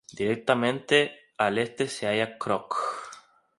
Directamente al este se halla Krogh.